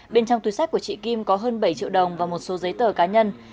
bên trong túi sách của chị kim có hơn bảy triệu đồng và một số giấy tờ cá nhân